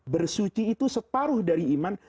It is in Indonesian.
bersuci itu separuh dari iman